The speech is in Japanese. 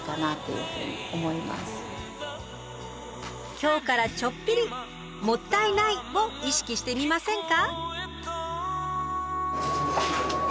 今日からちょっぴり「もったいない！」を意識してみませんか？